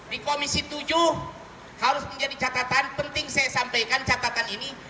di komisi tujuh harus menjadi catatan penting saya sampaikan catatan ini